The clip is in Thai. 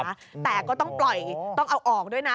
แต่ก็ต้องปล่อยต้องเอาออกด้วยนะ